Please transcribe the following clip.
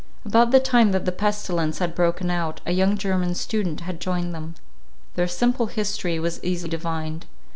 About the time that the pestilence had broken out, a young German student had joined them. Their simple history was easily divined.